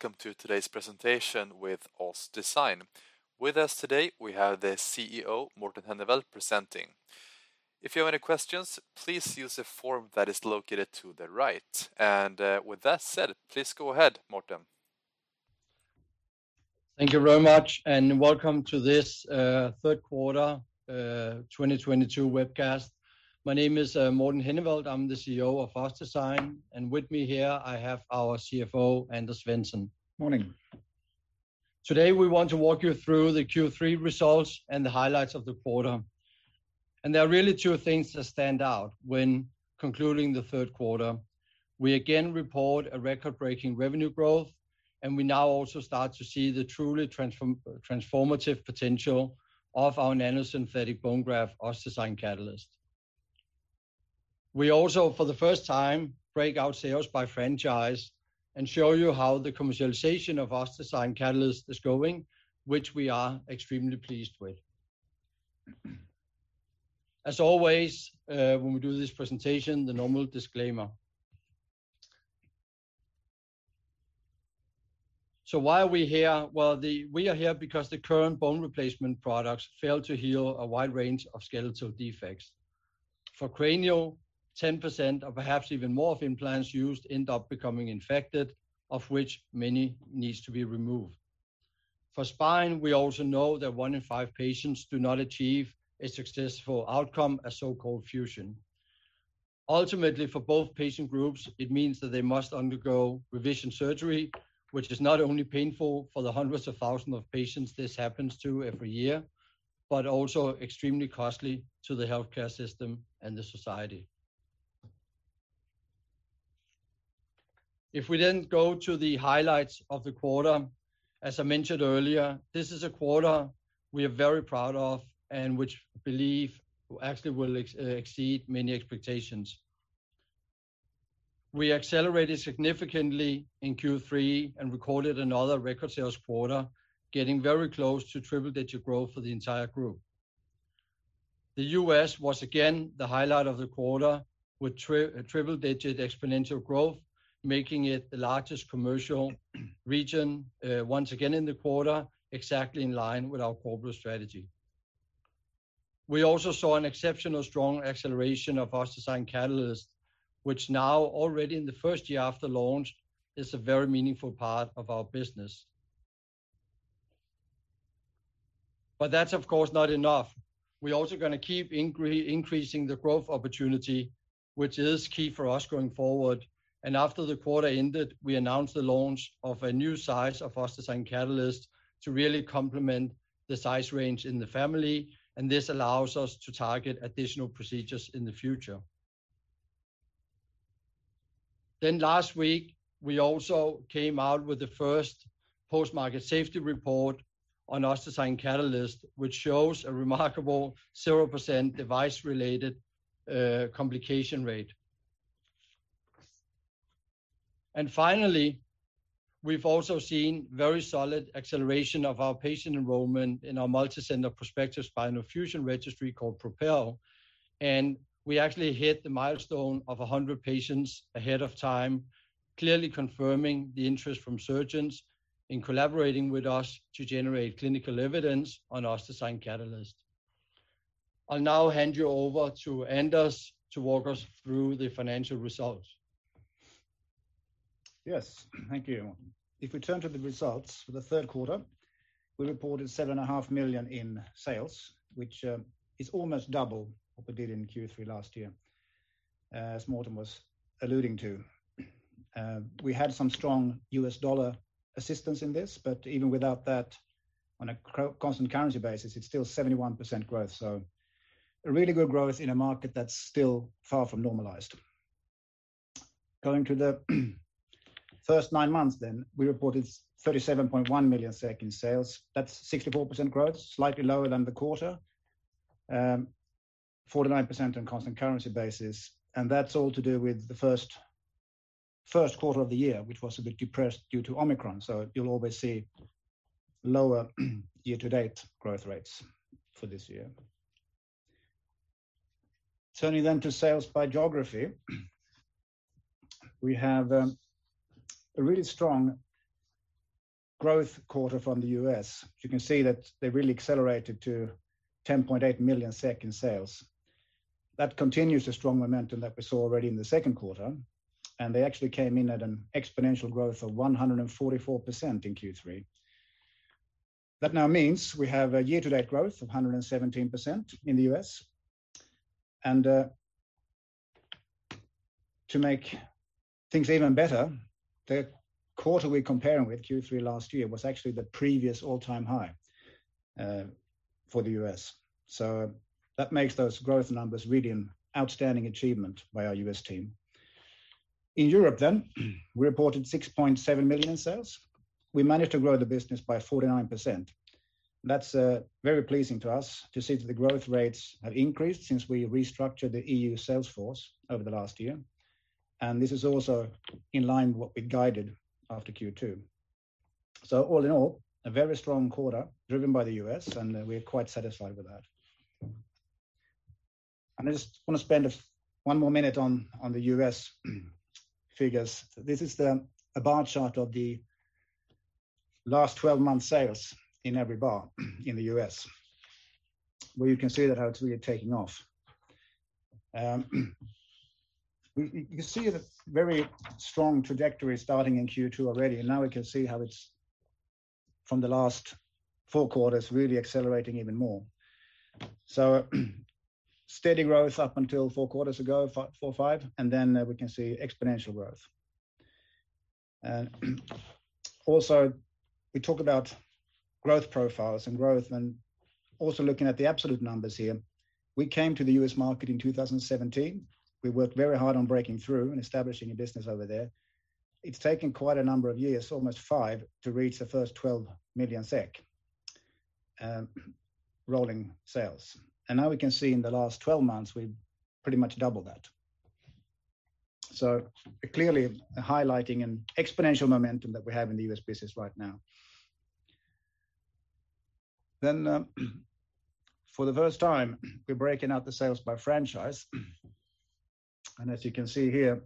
Hello and welcome to today's presentation with OssDsign. With us today, we have the CEO, Morten Henneveld, presenting. If you have any questions, please use the form that is located to the right. With that said, please go ahead, Morten. Thank you very much, and welcome to this third quarter 2022 webcast. My name is Morten Henneveld, I'm the CEO of OssDsign, and with me here, I have our CFO, Anders Svensson. Morning. Today, we want to walk you through the Q3 results and the highlights of the quarter, and there are really two things that stand out when concluding the third quarter. We again report a record-breaking revenue growth, and we now also start to see the truly transformative potential of our nanosynthetic bone graft OssDsign Catalyst. We also, for the first time, break out sales by franchise and show you how the commercialization of OssDsign Catalyst is going, which we are extremely pleased with. As always, when we do this presentation, the normal disclaimer, so why are we here? Well, we are here because the current bone replacement products fail to heal a wide range of skeletal defects. For cranial, 10% or perhaps even more of implants used end up becoming infected, of which many need to be removed. For spine, we also know that one in five patients do not achieve a successful outcome, a so-called fusion. Ultimately, for both patient groups, it means that they must undergo revision surgery, which is not only painful for the hundreds of thousands of patients this happens to every year, but also extremely costly to the healthcare system and the society. If we then go to the highlights of the quarter, as I mentioned earlier, this is a quarter we are very proud of and which we believe actually will exceed many expectations. We accelerated significantly in Q3 and recorded another record-sales quarter, getting very close to triple-digit growth for the entire group. The U.S. was again the highlight of the quarter, with triple-digit exponential growth, making it the largest commercial region once again in the quarter, exactly in line with our corporate strategy. We also saw an exceptionally strong acceleration of OssDsign Catalyst, which now, already in the first year after launch, is a very meaningful part of our business, but that's, of course, not enough. We're also going to keep increasing the growth opportunity, which is key for us going forward, and after the quarter ended, we announced the launch of a new size of OssDsign Catalyst to really complement the size range in the family, and this allows us to target additional procedures in the future, then last week, we also came out with the first post-market safety report on OssDsign Catalyst, which shows a remarkable 0% device-related complication rate, and finally, we've also seen very solid acceleration of our patient enrollment in our multicenter prospective spinal fusion registry called PROPEL. And we actually hit the milestone of 100 patients ahead of time, clearly confirming the interest from surgeons in collaborating with us to generate clinical evidence on OssDsign Catalyst. I'll now hand you over to Anders to walk us through the financial results. Yes, thank you. If we turn to the results for the third quarter, we reported 7.5 million in sales, which is almost double what we did in Q3 last year, as Morten was alluding to. We had some strong US dollar assistance in this, but even without that, on a constant currency basis, it's still 71% growth, so really good growth in a market that's still far from normalized. Going to the first nine months then, we reported 37.1 million in sales. That's 64% growth, slightly lower than the quarter, 49% on a constant currency basis, and that's all to do with the first quarter of the year, which was a bit depressed due to Omicron. So you'll always see lower year-to-date growth rates for this year. Turning then to sales by geography, we have a really strong growth quarter from the US. You can see that they really accelerated to 10.8 million SEK sales. That continues the strong momentum that we saw already in the second quarter, and they actually came in at an exponential growth of 144% in Q3. That now means we have a year-to-date growth of 117% in the U.S. To make things even better, the quarter we're comparing with Q3 last year was actually the previous all-time high for the U.S., so that makes those growth numbers really an outstanding achievement by our U.S. team. In Europe then, we reported 6.7 million SEK sales. We managed to grow the business by 49%. That's very pleasing to us to see that the growth rates have increased since we restructured the E.U. sales force over the last year, and this is also in line with what we guided after Q2. So all in all, a very strong quarter driven by the U.S., and we're quite satisfied with that. I just want to spend one more minute on the U.S. figures. This is the bar chart of the last 12 months' sales in every bar in the U.S., where you can see that how it's really taking off. You can see the very strong trajectory starting in Q2 already. And now we can see how it's, from the last four quarters, really accelerating even more. So steady growth up until four quarters ago, four, five, and then we can see exponential growth. And also, we talk about growth profiles and growth, and also looking at the absolute numbers here. We came to the U.S. market in 2017. We worked very hard on breaking through and establishing a business over there. It's taken quite a number of years, almost five, to reach the first 12 million SEK rolling sales, and now we can see in the last 12 months, we've pretty much doubled that, so clearly highlighting an exponential momentum that we have in the U.S. business right now, then for the first time, we're breaking out the sales by franchise, and as you can see here,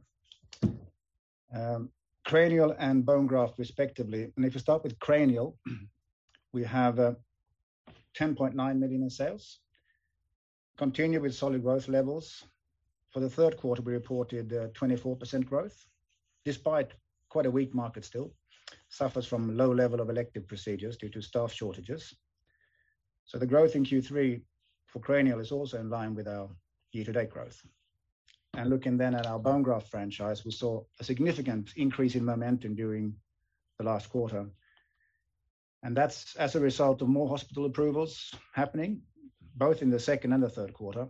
cranial and bone graft respectively, and if you start with cranial, we have 10.9 million in sales, continue with solid growth levels. For the third quarter, we reported 24% growth, despite quite a weak market still. It suffers from low level of elective procedures due to staff shortages, so the growth in Q3 for cranial is also in line with our year-to-date growth, and looking then at our bone graft franchise, we saw a significant increase in momentum during the last quarter. That's as a result of more hospital approvals happening, both in the second and the third quarter.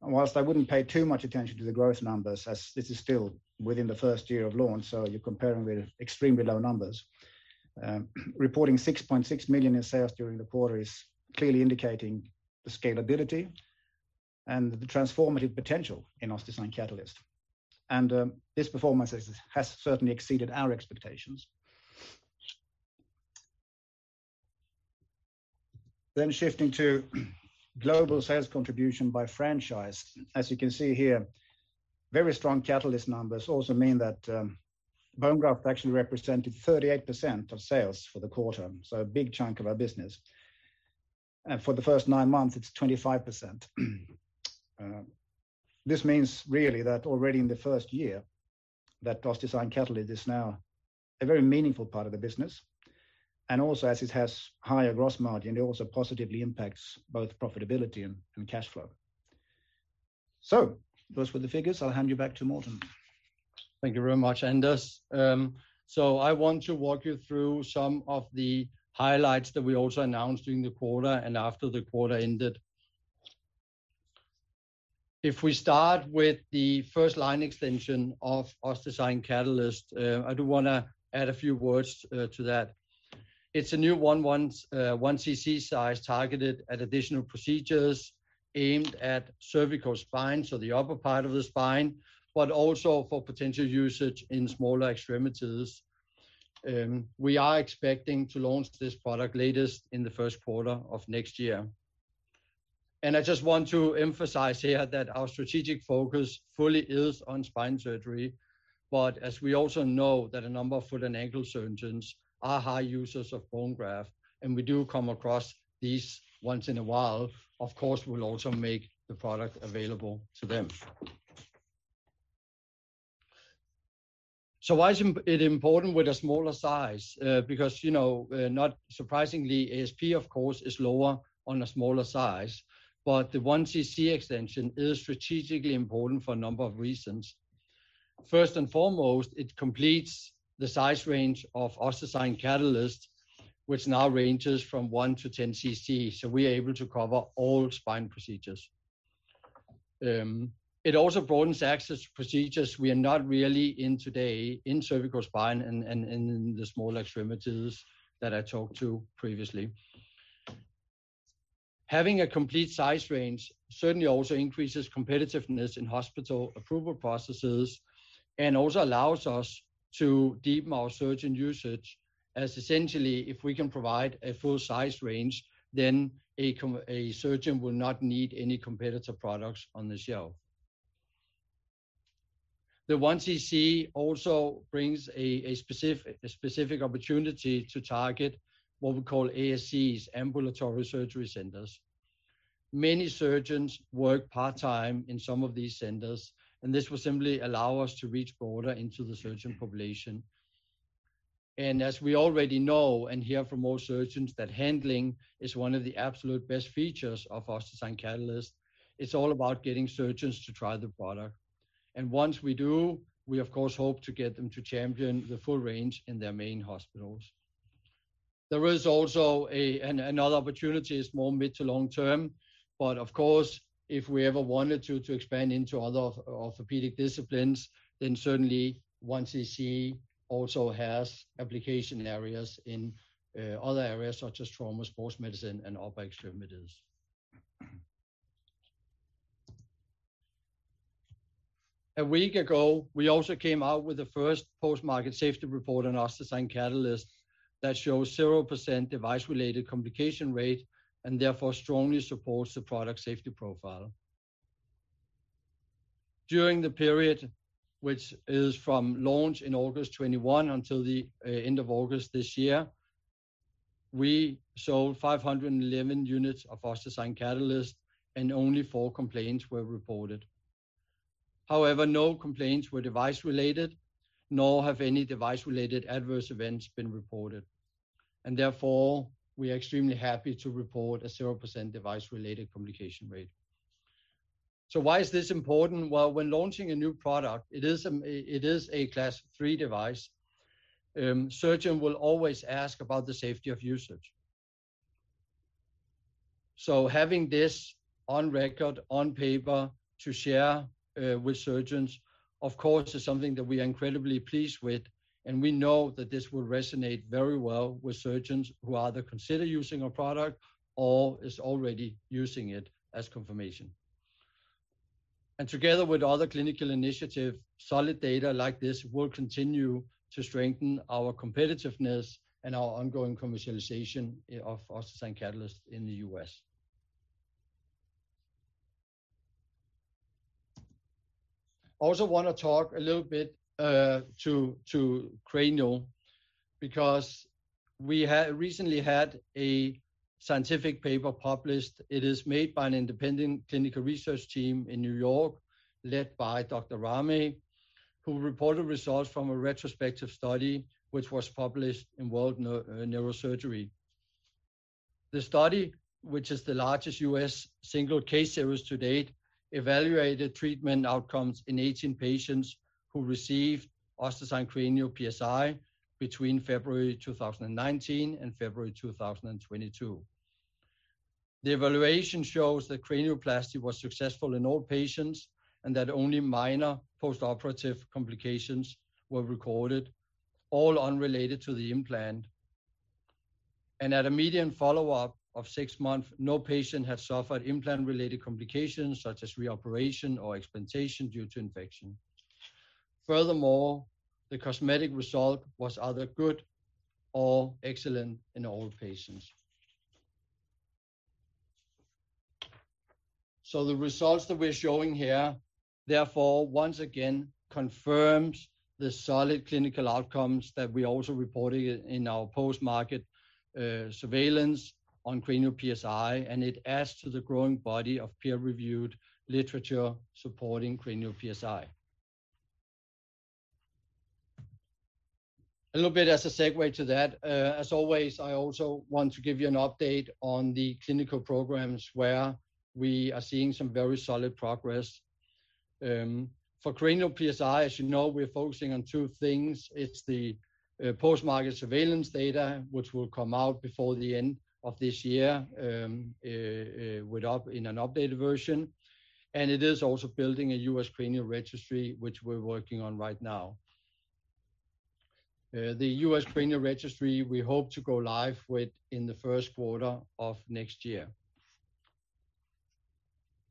While I wouldn't pay too much attention to the growth numbers, as this is still within the first year of launch, so you're comparing with extremely low numbers. Reporting 6.6 million in sales during the quarter is clearly indicating the scalability and the transformative potential in OssDsign Catalyst. This performance has certainly exceeded our expectations. Shifting to global sales contribution by franchise, as you can see here, very strong Catalyst numbers also mean that bone graft actually represented 38% of sales for the quarter, so a big chunk of our business. For the first nine months, it's 25%. This means really that already in the first year, that OssDsign Catalyst is now a very meaningful part of the business. And also, as it has higher gross margin, it also positively impacts both profitability and cash flow. So those were the figures. I'll hand you back to Morten. Thank you very much, Anders. So I want to walk you through some of the highlights that we also announced during the quarter and after the quarter ended. If we start with the first line extension of OssDsign Catalyst, I do want to add a few words to that. It's a new 1cc size targeted at additional procedures aimed at cervical spine, so the upper part of the spine, but also for potential usage in smaller extremities. We are expecting to launch this product latest in the first quarter of next year. And I just want to emphasize here that our strategic focus fully is on spine surgery. But as we also know that a number of foot and ankle surgeons are high users of bone graft, and we do come across these once in a while, of course, we'll also make the product available to them. So why is it important with a smaller size? Because, you know, not surprisingly, ASP, of course, is lower on a smaller size. But the one cc extension is strategically important for a number of reasons. First and foremost, it completes the size range of OssDsign Catalyst, which now ranges from one to 10 cc. So we are able to cover all spine procedures. It also broadens access to procedures we are not really in today in cervical spine and in the smaller extremities that I talked to previously. Having a complete size range certainly also increases competitiveness in hospital approval processes and also allows us to deepen our surgeon usage, as essentially, if we can provide a full size range, then a surgeon will not need any competitor products on the shelf. The 1cc also brings a specific opportunity to target what we call ASCs, ambulatory surgery centers. Many surgeons work part-time in some of these centers, and this will simply allow us to reach broader into the surgeon population, and as we already know and hear from most surgeons that handling is one of the absolute best features of OssDsign Catalyst, it's all about getting surgeons to try the product, and once we do, we, of course, hope to get them to champion the full range in their main hospitals. There is also another opportunity that is more mid to long term. But of course, if we ever wanted to expand into other orthopedic disciplines, then certainly 1cc also has application areas in other areas such as trauma, sports medicine, and upper extremities. A week ago, we also came out with the first post-market safety report on OssDsign Catalyst that shows 0% device-related complication rate and therefore strongly supports the product safety profile. During the period, which is from launch in August 2021 until the end of August this year, we sold 511 units of OssDsign Catalyst, and only four complaints were reported. However, no complaints were device-related, nor have any device-related adverse events been reported. And therefore, we are extremely happy to report a 0% device-related complication rate. So why is this important? Well, when launching a new product, it is a Class III device, surgeons will always ask about the safety of usage. Having this on record, on paper, to share with surgeons, of course, is something that we are incredibly pleased with. We know that this will resonate very well with surgeons who either consider using our product or are already using it as confirmation. Together with other clinical initiatives, solid data like this will continue to strengthen our competitiveness and our ongoing commercialization of OssDsign Catalyst in the US. I also want to talk a little bit to cranial because we recently had a scientific paper published. It is made by an independent clinical research team in New York led by Dr. Rami, who reported results from a retrospective study which was published in World Neurosurgery. The study, which is the largest US single case series to date, evaluated treatment outcomes in 18 patients who received OssDsign Cranial PSI between February 2019 and February 2022. The evaluation shows that cranioplasty was successful in all patients and that only minor post-operative complications were recorded, all unrelated to the implant. At a median follow-up of six months, no patient had suffered implant-related complications such as reoperation or explantation due to infection. Furthermore, the cosmetic result was either good or excellent in all patients. The results that we're showing here, therefore, once again confirm the solid clinical outcomes that we also reported in our post-market surveillance on Cranial PSI. It adds to the growing body of peer-reviewed literature supporting Cranial PSI. A little bit as a segue to that, as always, I also want to give you an update on the clinical programs where we are seeing some very solid progress. For Cranial PSI, as you know, we're focusing on two things. It's the post-market surveillance data, which will come out before the end of this year in an updated version, and it is also building a U.S. cranial registry, which we're working on right now. The U.S. cranial registry, we hope to go live with in the first quarter of next year.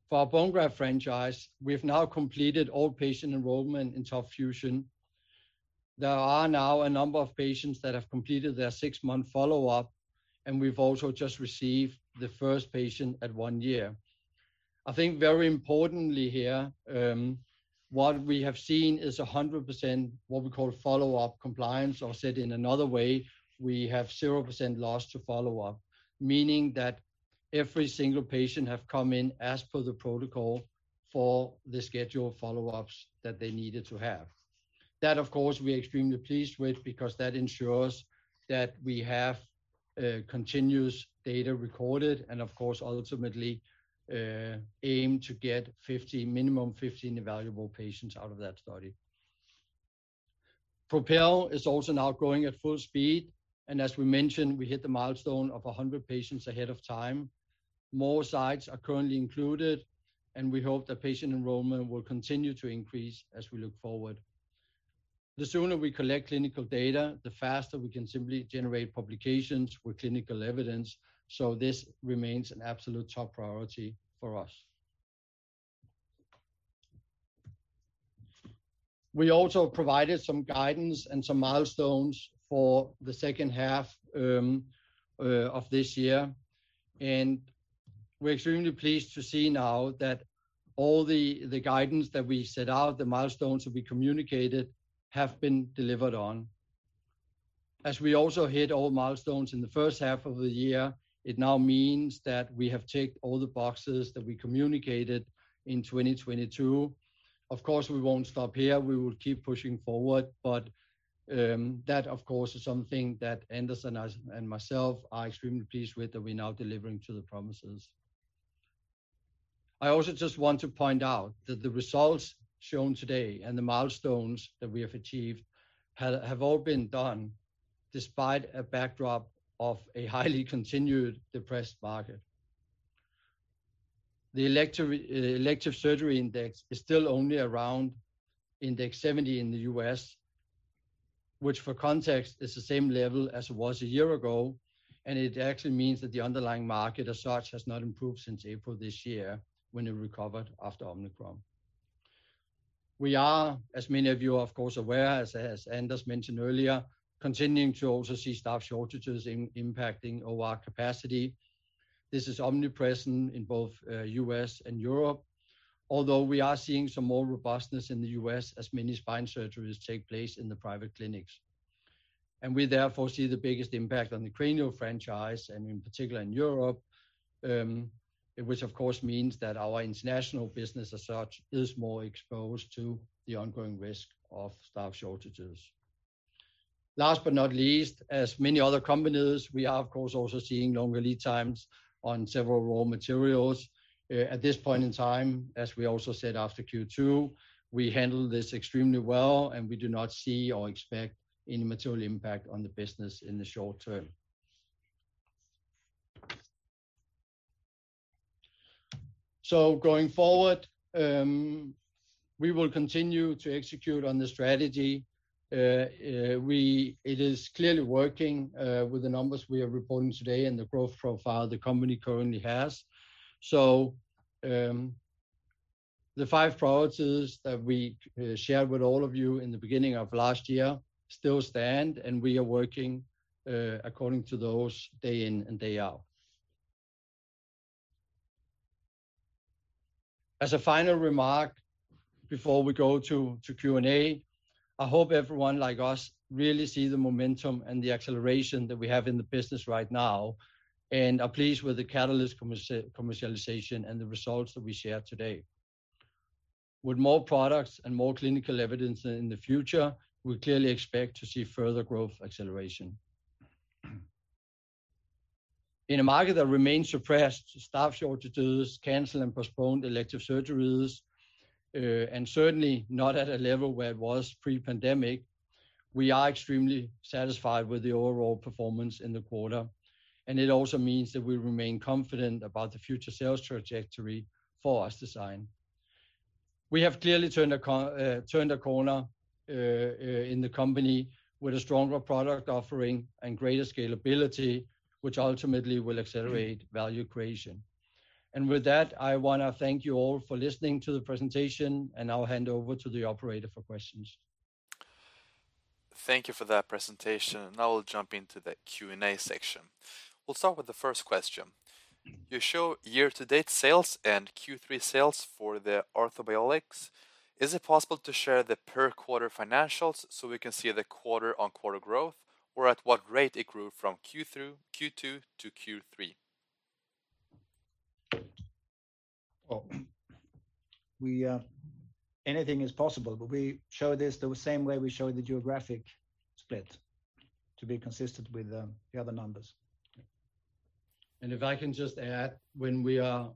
For our bone graft franchise, we've now completed all patient enrollment in TOP FUSION. There are now a number of patients that have completed their six-month follow-up, and we've also just received the first patient at one year. I think very importantly here, what we have seen is 100% what we call follow-up compliance, or said in another way, we have 0% loss to follow-up, meaning that every single patient has come in as per the protocol for the schedule of follow-ups that they needed to have. That, of course, we are extremely pleased with because that ensures that we have continuous data recorded and, of course, ultimately aim to get minimum 15 evaluable patients out of that study. PROPEL is also now going at full speed, and as we mentioned, we hit the milestone of 100 patients ahead of time. More sites are currently included, and we hope that patient enrollment will continue to increase as we look forward. The sooner we collect clinical data, the faster we can simply generate publications with clinical evidence, so this remains an absolute top priority for us. We also provided some guidance and some milestones for the second half of this year, and we're extremely pleased to see now that all the guidance that we set out, the milestones that we communicated, have been delivered on. As we also hit all milestones in the first half of the year, it now means that we have ticked all the boxes that we communicated in 2022. Of course, we won't stop here. We will keep pushing forward but that, of course, is something that Anders and myself are extremely pleased with that we're now delivering to the promises. I also just want to point out that the results shown today and the milestones that we have achieved have all been done despite a backdrop of a highly continued depressed market. The Elective Surgery Index is still only around index 70 in the U.S., which for context is the same level as it was a year ago, and it actually means that the underlying market as such has not improved since April this year when it recovered after Omicron. We are, as many of you are, of course, aware, as Anders mentioned earlier, continuing to also see staff shortages impacting our capacity. This is omnipresent in both U.S. and Europe, although we are seeing some more robustness in the U.S. as many spine surgeries take place in the private clinics, and we therefore see the biggest impact on the cranial franchise, and in particular in Europe, which, of course, means that our international business as such is more exposed to the ongoing risk of staff shortages. Last but not least, as many other companies, we are, of course, also seeing longer lead times on several raw materials. At this point in time, as we also said after Q2, we handle this extremely well, and we do not see or expect any material impact on the business in the short term. So going forward, we will continue to execute on the strategy. It is clearly working with the numbers we are reporting today and the growth profile the company currently has. So the five priorities that we shared with all of you in the beginning of last year still stand, and we are working according to those day in and day out. As a final remark before we go to Q&A, I hope everyone like us really sees the momentum and the acceleration that we have in the business right now and are pleased with the Catalyst commercialization and the results that we shared today. With more products and more clinical evidence in the future, we clearly expect to see further growth acceleration. In a market that remains suppressed, staff shortages, cancel and postpone elective surgeries, and certainly not at a level where it was pre-pandemic, we are extremely satisfied with the overall performance in the quarter. It also means that we remain confident about the future sales trajectory for OssDsign. We have clearly turned a corner in the company with a stronger product offering and greater scalability, which ultimately will accelerate value creation. With that, I want to thank you all for listening to the presentation, and I'll hand over to the operator for questions. Thank you for that presentation. Now we'll jump into the Q&A section. We'll start with the first question. Your year-to-date sales and Q3 sales for the orthobiologics? Is it possible to share the per-quarter financials so we can see the quarter-on-quarter growth, or at what rate it grew from Q2 to Q3? Anything is possible. But we show this the same way we showed the geographic split to be consistent with the other numbers. And if I can just add, when we are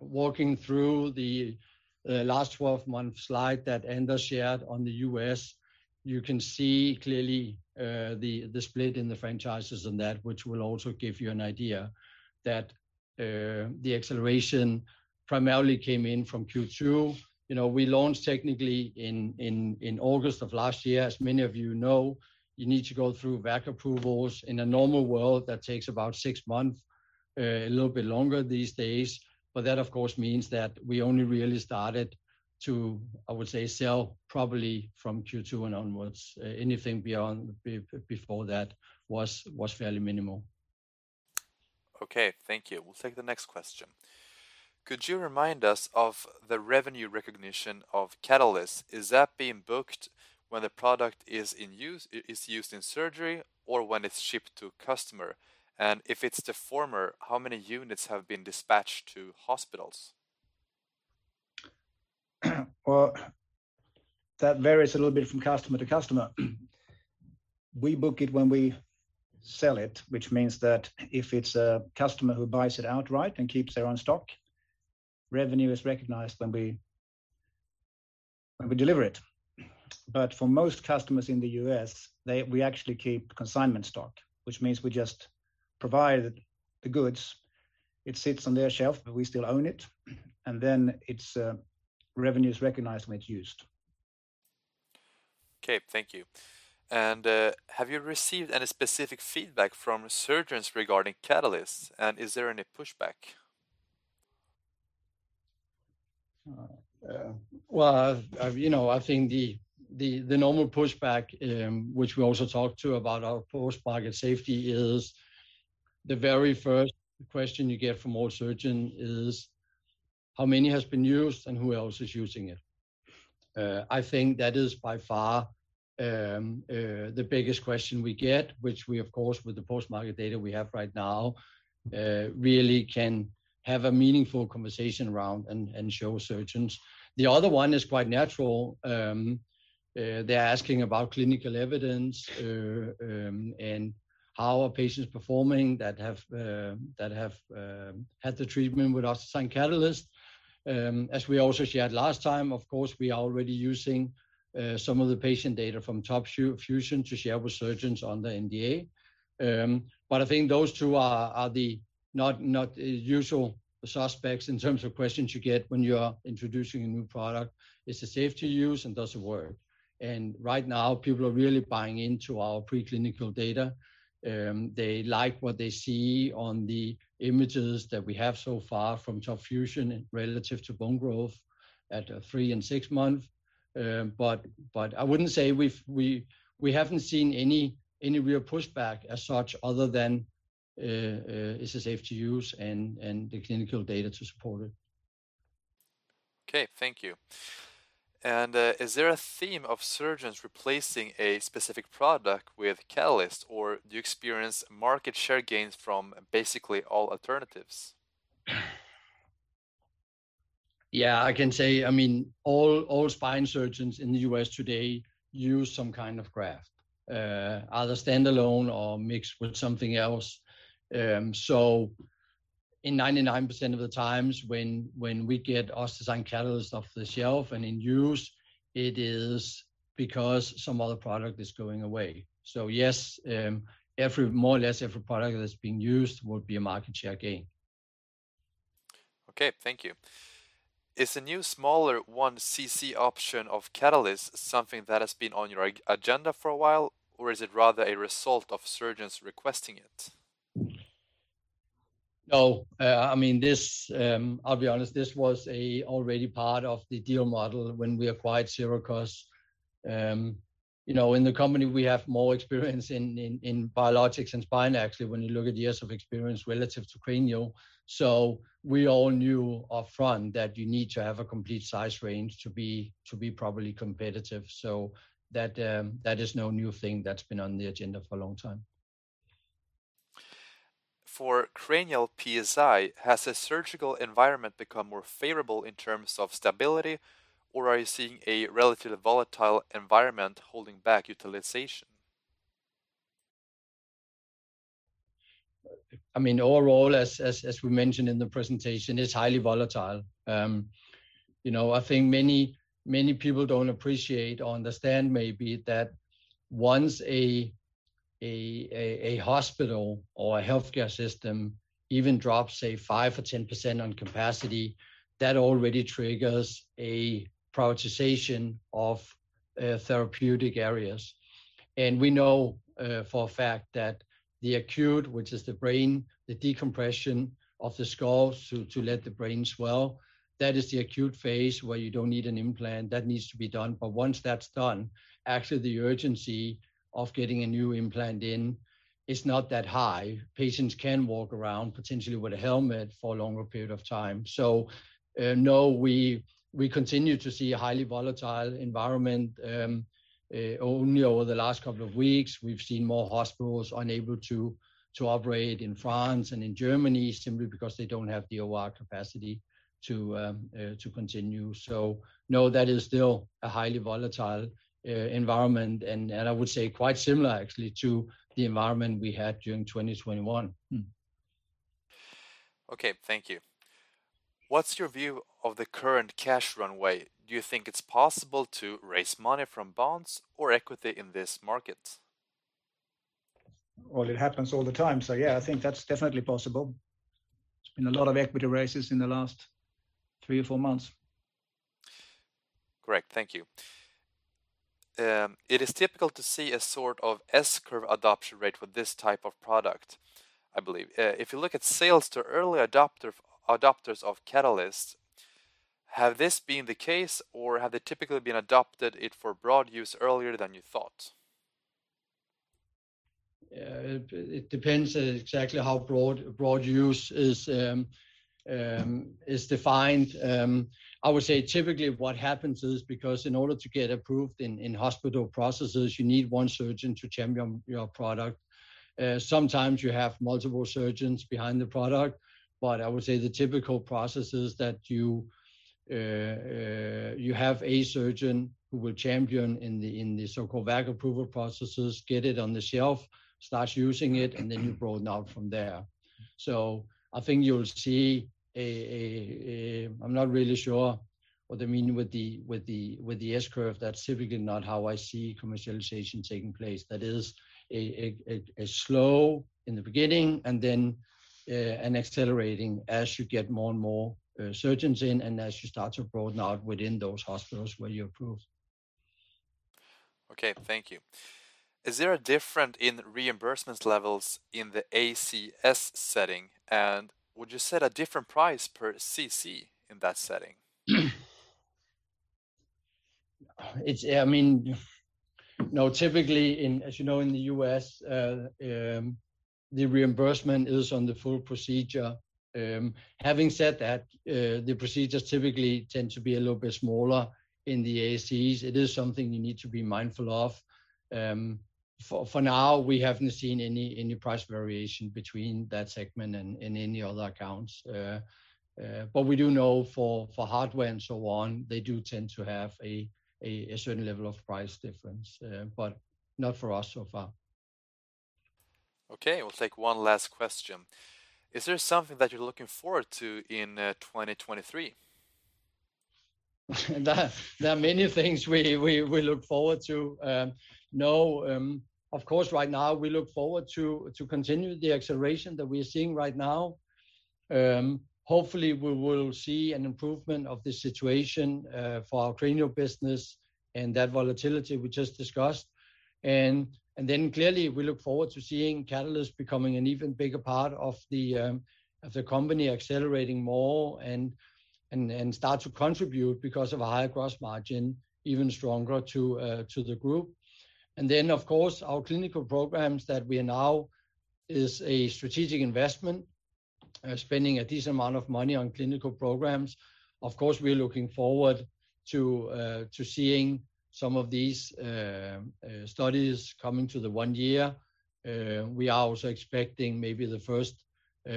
walking through the last 12-month slide that Anders shared on the U.S., you can see clearly the split in the franchises on that, which will also give you an idea that the acceleration primarily came in from Q2. We launched technically in August of last year. As many of you know, you need to go through VAC approvals. In a normal world, that takes about six months, a little bit longer these days. But that, of course, means that we only really started to, I would say, sell probably from Q2 and onwards. Anything beyond before that was fairly minimal. Okay. Thank you. We'll take the next question. Could you remind us of the revenue recognition of Catalysts? Is that being booked when the product is used in surgery or when it's shipped to customer? And if it's the former, how many units have been dispatched to hospitals? Well, that varies a little bit from customer to customer. We book it when we sell it, which means that if it's a customer who buys it outright and keeps their own stock, revenue is recognized when we deliver it. But for most customers in the U.S., we actually keep consignment stock, which means we just provide the goods. It sits on their shelf, but we still own it. And then revenue is recognized when it's used. Okay. Thank you. And have you received any specific feedback from surgeons regarding Catalyst? And is there any pushback? I think the normal pushback, which we also talked to about our post-market safety, is the very first question you get from all surgeons is, how many has been used and who else is using it? I think that is by far the biggest question we get, which we, of course, with the post-market data we have right now, really can have a meaningful conversation around and show surgeons. The other one is quite natural. They're asking about clinical evidence and how are patients performing that have had the treatment with OssDsign Catalyst? As we also shared last time, of course, we are already using some of the patient data from TOP FUSION to share with surgeons on the NDA. But I think those two are the not usual suspects in terms of questions you get when you are introducing a new product. Is it safe to use and does it work? And right now, people are really buying into our preclinical data. They like what they see on the images that we have so far from TOP FUSION relative to bone growth at three and six months. But I wouldn't say we haven't seen any real pushback as such other than, is it safe to use and the clinical data to support it? Okay. Thank you. And is there a theme of surgeons replacing a specific product with Catalyst, or do you experience market share gains from basically all alternatives? Yeah. I can say, I mean, all spine surgeons in the U.S. today use some kind of graft, either standalone or mixed with something else. So in 99% of the times when we get OssDsign Catalyst off the shelf and in use, it is because some other product is going away. So yes, more or less every product that's being used would be a market share gain. Okay. Thank you. Is the new smaller 1 cc option of Catalyst something that has been on your agenda for a while, or is it rather a result of surgeons requesting it? No. I mean, I'll be honest, this was already part of the deal model when we acquired Sirakoss. In the company, we have more experience in biologics and spine, actually, when you look at years of experience relative to cranial. So we all knew upfront that you need to have a complete size range to be probably competitive. So that is no new thing that's been on the agenda for a long time. For Cranial PSI, has the surgical environment become more favorable in terms of stability, or are you seeing a relatively volatile environment holding back utilization? I mean, overall, as we mentioned in the presentation, it's highly volatile. I think many people don't appreciate or understand maybe that once a hospital or a healthcare system even drops, say, 5% or 10% on capacity, that already triggers a prioritization of therapeutic areas, and we know for a fact that the acute, which is the brain, the decompression of the skull to let the brain swell, that is the acute phase where you don't need an implant. That needs to be done, but once that's done, actually, the urgency of getting a new implant in is not that high. Patients can walk around potentially with a helmet for a longer period of time, so no, we continue to see a highly volatile environment. Only over the last couple of weeks, we've seen more hospitals unable to operate in France and in Germany simply because they don't have the OR capacity to continue. So no, that is still a highly volatile environment. And I would say quite similar, actually, to the environment we had during 2021. Okay. Thank you. What's your view of the current cash runway? Do you think it's possible to raise money from bonds or equity in this market? Well, it happens all the time. So yeah, I think that's definitely possible. There's been a lot of equity raises in the last three or four months. Correct. Thank you. It is typical to see a sort of S-curve adoption rate with this type of product, I believe. If you look at sales to early adopters of Catalysts, has this been the case, or have they typically been adopted for broad use earlier than you thought? It depends exactly how broad use is defined. I would say typically what happens is because in order to get approved in hospital processes, you need one surgeon to champion your product. Sometimes you have multiple surgeons behind the product. But I would say the typical process is that you have a surgeon who will champion in the so-called VAC approval processes, get it on the shelf, start using it, and then you broaden out from there. So I think you'll see. I'm not really sure what they mean with the S-curve. That's typically not how I see commercialization taking place. That is a slow in the beginning and then an accelerating as you get more and more surgeons in and as you start to broaden out within those hospitals where you approve. Okay. Thank you. Is there a difference in reimbursement levels in the ASCs setting? And would you set a different price per cc in that setting? I mean, no. Typically, as you know, in the US, the reimbursement is on the full procedure. Having said that, the procedures typically tend to be a little bit smaller in the ASCs. It is something you need to be mindful of. For now, we haven't seen any price variation between that segment and any other accounts. But we do know for hardware and so on, they do tend to have a certain level of price difference, but not for us so far. Okay. We'll take one last question. Is there something that you're looking forward to in 2023? There are many things we look forward to. No. Of course, right now, we look forward to continuing the acceleration that we are seeing right now. Hopefully, we will see an improvement of the situation for our cranial business and that volatility we just discussed. And then clearly, we look forward to seeing Catalysts becoming an even bigger part of the company, accelerating more and start to contribute because of a higher gross margin, even stronger to the group. And then, of course, our clinical programs that we are now is a strategic investment, spending a decent amount of money on clinical programs. Of course, we are looking forward to seeing some of these studies coming to the one year. We are also expecting maybe the first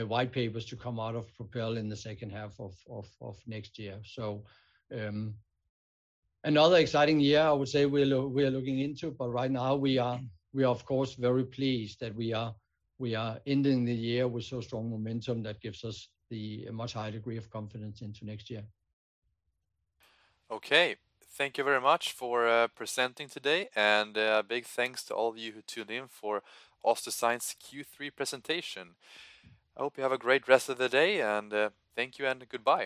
white papers to come out of PROPEL in the second half of next year. So another exciting year, I would say, we are looking into. But right now, we are, of course, very pleased that we are ending the year with so strong momentum that gives us a much higher degree of confidence into next year. Okay. Thank you very much for presenting today. And big thanks to all of you who tuned in for OssDsign's Q3 presentation. I hope you have a great rest of the day. And thank you and goodbye.